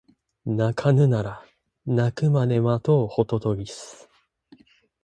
鳴かぬなら鳴くまで待とうホトトギス